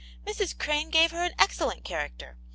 " Mrs. Crane gave her an excellent character.